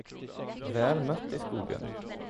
Väl mött i skogen!